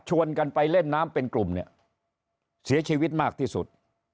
กันไปเล่นน้ำเป็นกลุ่มเนี่ยเสียชีวิตมากที่สุด